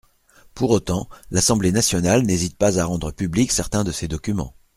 Pour autant, l’Assemblée nationale n’hésite pas à rendre publics certains de ses documents.